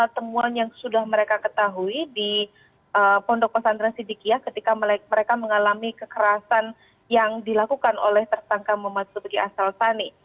temuan yang sudah mereka ketahui di pondok pesantren sidikiyah ketika mereka mengalami kekerasan yang dilakukan oleh tersangka muhammad subiki asal fani